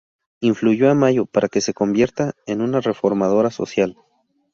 Influyó a Mayo para que se convierta en una reformadora social.